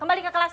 kembali ke kelas